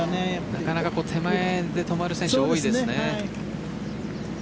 なかなか手前で止まる選手が多いですね。